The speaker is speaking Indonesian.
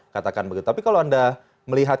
katakan begitu tapi kalau anda melihat